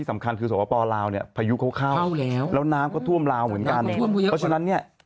น้ำก็ท่วมราวเหมือนกันเพราะฉะนั้นเนี่ย